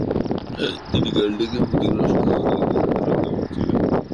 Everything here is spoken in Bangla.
তিনি ক্যালটেকে ভৌত রসায়ন ও গাণিতিক পদার্থবিজ্ঞানের অধ্যাপক ছিলেন।